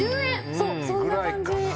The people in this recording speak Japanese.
そうそんな感じ